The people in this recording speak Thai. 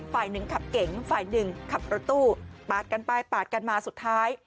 ฝ่ายหนึ่งขับเก๋งฝ่ายหนึ่งขับรถตู้ปาดกันไปปาดกันมาสุดท้าย